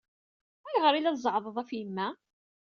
Ayɣer ay la tzeɛɛḍeḍ ɣef yemma?